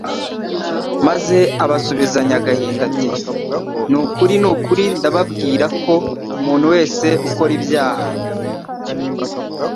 maze abasubizanya agahinda ati : "Ni ukuri n'ukuri ndababwira ko umuntu wese ukora ibyaha,